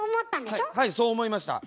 はいそう思いました。